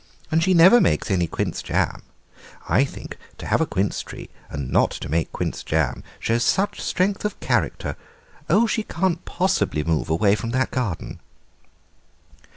And she never makes any quince jam; I think to have a quince tree and not to make quince jam shows such strength of character. Oh, she can't possibly move away from that garden."